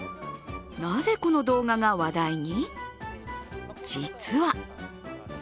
なぜこの動画が話題に？